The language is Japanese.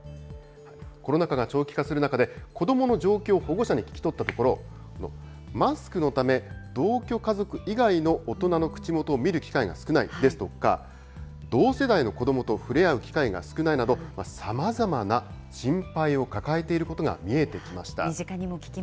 コロナ禍が長期化する中で、子どもの状況を保護者に聞き取ったところ、マスクのため、同居家族以外の大人の口元を見る機会が少ないですとか、同世代の子どもと触れ合う機会が少ないなど、さまざまな心配を抱身近にも聞きます。